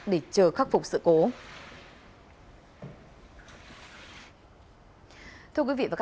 để chờ khắc phục sự cố